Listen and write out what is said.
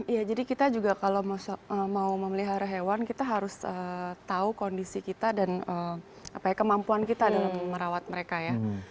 iya jadi kita juga kalau mau memelihara hewan kita harus tahu kondisi kita dan kemampuan kita dalam merawat mereka ya